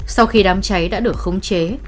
sau khi đám cháy đã được khống chế